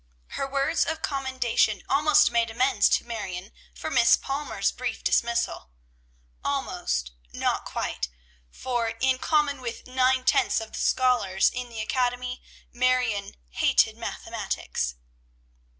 Her words of commendation almost made amends to Marion for Miss Palmer's brief dismissal; almost, not quite, for, in common with nine tenths of the scholars in the academy, Marion "hated mathematics."